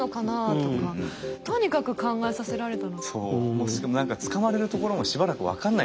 もうしかも何かつかまれるところもしばらく分かんないとことかある。